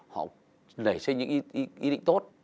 họ nảy sinh những ý định tốt